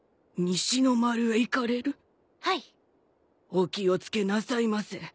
お気を付けなさいませ。